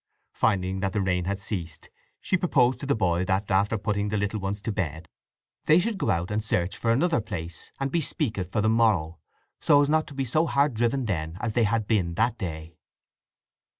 Finding that the rain had ceased she proposed to the boy that, after putting the little ones to bed, they should go out and search about for another place, and bespeak it for the morrow, so as not to be so hard driven then as they had been that day.